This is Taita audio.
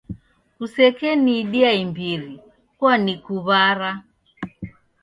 Kusekeniidia imbiri kwanikuw'ara.